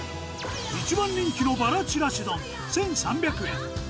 一番人気のバラちらし丼１３００円。